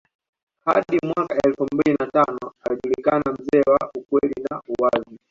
Hadi mwaka elfu mbili na tano akijulikana mzee wa ukweli na uwazi